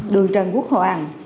đường trần quốc hoàng